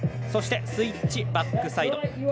そして、スイッチサイド。